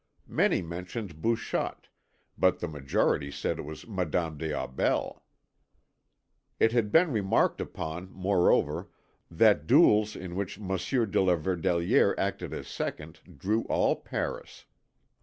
Many mentioned Bouchotte, but the majority said it was Madame des Aubels. It had been remarked upon, moreover, that duels in which Monsieur de la Verdelière acted as second drew all Paris.